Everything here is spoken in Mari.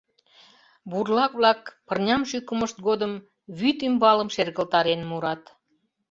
Бурлак-влак пырням шӱкымышт годым вӱд ӱмбалым шергылтарен мурат: